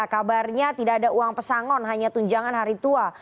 kabarnya tidak ada uang pesangon hanya tunjangan hari tua